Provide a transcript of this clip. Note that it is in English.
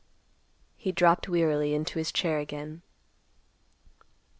He dropped wearily into his chair again.